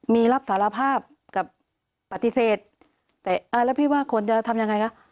มีรับสารภาพกับปฏิเสธแต่อ่าแล้วพี่ว่าควรจะทำยังไงคะ